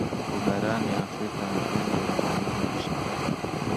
u barani afrika pendo mbona unashangaa